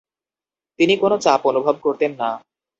তিনি কোন চাপ অনুভব করতেন না।